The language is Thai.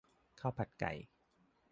ข้าวผัดไก่